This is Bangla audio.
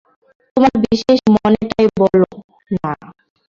তোমার বিশেষ মানেটাই বলো-না।